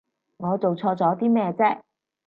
我做錯咗啲咩啫？